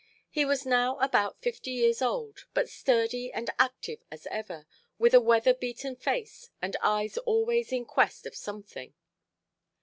He was now about fifty years old, but sturdy and active as ever, with a weather–beaten face and eyes always in quest of something.